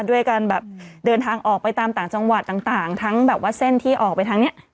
ด้วยการแบบเดินทางออกไปตามต่างจังหวัดต่างทั้งแบบว่าเส้นที่ออกไปทางนี้